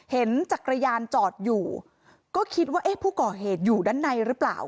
จักรยานจอดอยู่ก็คิดว่าเอ๊ะผู้ก่อเหตุอยู่ด้านในหรือเปล่า